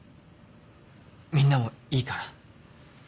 みんなもいいかな？